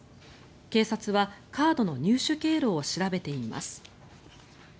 警察は、カードの入手経路を調べています。